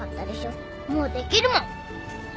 もうできるもん。